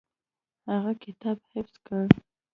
هغه کتاب یې حفظ کړ.